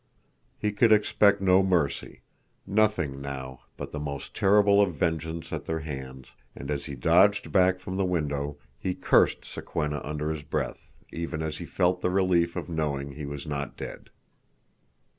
He could expect no mercy—nothing now but the most terrible of vengeance at their hands, and as he dodged back from the window he cursed Sokwenna under his breath, even as he felt the relief of knowing he was not dead.